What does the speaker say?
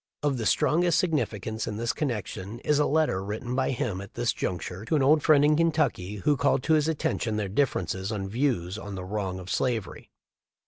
Of the strongest signifi cance in this connection is a letter written by him at this juncture to an old friend in Kentucky,* who called to his attention their differences of views on the wrong of slavery.